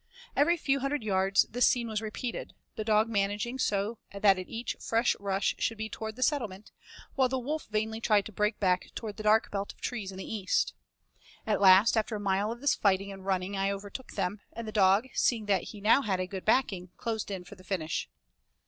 Every few hundred yards this scene was repeated, the dog managing so that each fresh rush should be toward the settlement, while the wolf vainly tried to break back toward the dark belt of trees in the east. At last after a mile of this fighting and running I overtook them, and the dog, seeing that he now had good backing, closed in for the finish.